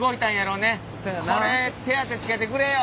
「これ手当つけてくれよ」